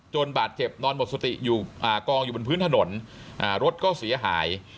บาดเจ็บนอนหมดสติอยู่กองอยู่บนพื้นถนนรถก็เสียหาย